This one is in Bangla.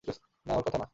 না, ওর কথা না!